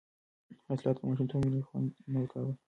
حیات الله ته د ماشومتوب مېلې خوند نه ورکاوه.